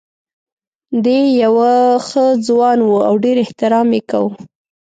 دی یو ښه ځوان و او ډېر احترام یې کاوه.